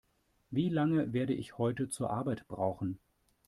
Wie lange werde ich heute zur Arbeit brauchen?